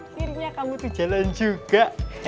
akhirnya kamu itu jalan juga